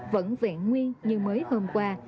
vẫn vẹn nguyên như mới hôm qua